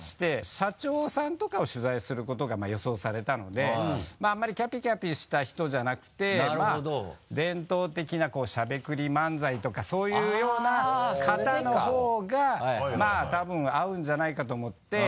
社長さんとかを取材することが予想されたのであんまりキャピキャピした人じゃなくて伝統的なこうしゃべくり漫才とかそういうような方のほうがまぁ多分合うんじゃないかと思って。